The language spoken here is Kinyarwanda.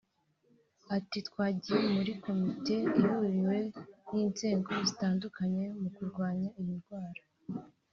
Ati” Twagiye muri komite ihuriweho n’inzego zitandukanye mu kurwanya iyi ndwara